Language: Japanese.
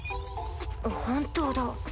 本当だ。